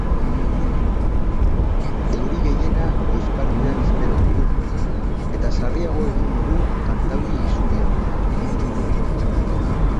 Euri gehiena goiz partean espero dugu, eta sarriago egingo du kantauri isurialdean.